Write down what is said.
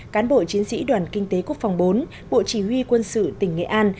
cán bộ chiến sĩ đoàn kinh tế quốc phòng bốn bộ chỉ huy quân sự tỉnh nghệ an